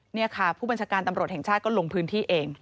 นี่ค่ะผู้บัญชาการตำรวจแห่งชาติก็ลงพื้นที่เอง